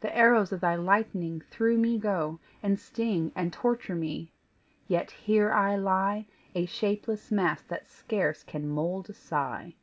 The arrows of thy lightning through me go, And sting and torture me yet here I lie A shapeless mass that scarce can mould a sigh."